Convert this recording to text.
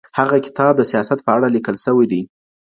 هغه کتاب د سياست په اړه ليکل سوی دی.